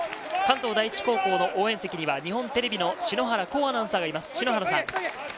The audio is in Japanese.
関東第一高校の応援席には、日本テレビの篠原光アナウンサーがいます。